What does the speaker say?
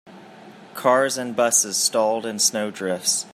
Cars and busses stalled in snow drifts.